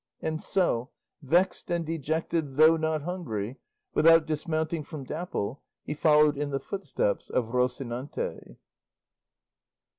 And so, vexed and dejected though not hungry, without dismounting from Dapple he followed in the footsteps of Rocinante.